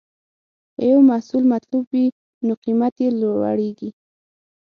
که یو محصول مطلوب وي، نو قیمت یې لوړېږي.